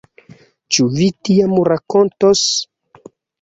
Ĉu vi tiam rakontos?